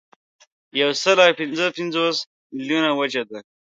یوسلاوپینځهپنځوس میلیونه یې وچه ده.